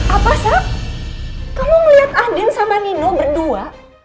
apa sak kamu ngeliat adin sama nino berdua